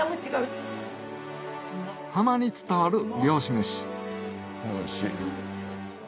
浜に伝わる漁師めしおいしい。